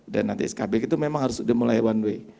dan nanti skb itu memang harus sudah mulai one way